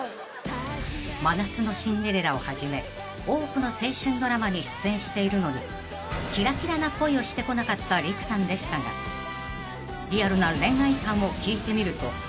［『真夏のシンデレラ』をはじめ多くの青春ドラマに出演しているのにキラキラな恋をしてこなかった利久さんでしたがリアルな恋愛観を聞いてみると］